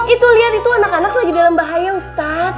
itu lihat itu anak anak lagi dalam bahaya ustadz